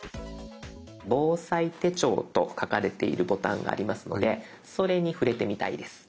防災手帳と書かれているボタンがありますのでそれに触れてみたいです。